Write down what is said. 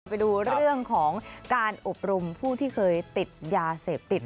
ไปดูเรื่องของการอบรมผู้ที่เคยติดยาเสพติด